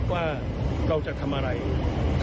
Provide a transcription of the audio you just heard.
แต่เราก็ยังตอบอย่างเดิมค่ะ